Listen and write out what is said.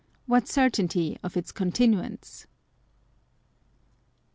What certainty of its continuance